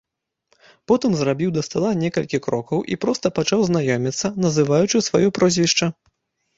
Потым зрабіў да стала некалькі крокаў і проста пачаў знаёміцца, называючы сваё прозвішча.